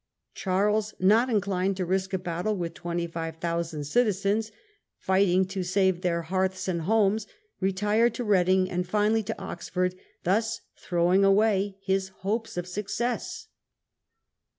Charles, not inclined to risk a battle with 25,000 citizens fighting to save their hearths and homes, retired to Reading, and finally to Oxford, thus throwing away his hopes of success.